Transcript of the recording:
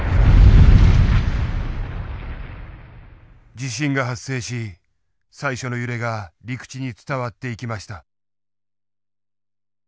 地震が発生し最初の揺れが陸地に伝わっていきました。